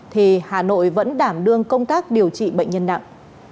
thì hà nội vẫn đảm đương công tác điều trị bệnh nhân nặng